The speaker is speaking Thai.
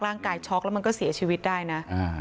ร่างกายช็อกแล้วมันก็เสียชีวิตได้นะ